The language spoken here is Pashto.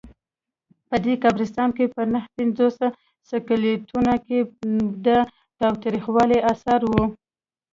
په دې قبرستان کې په نههپنځوس سکلیټونو کې د تاوتریخوالي آثار وو.